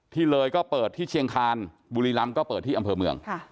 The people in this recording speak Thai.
ที่เลยก็เปิดที่เชียงคานบุรีรำก็เปิดที่อำเภอเมือง